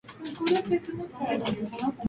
Algunas represiones matan a cientos de personas.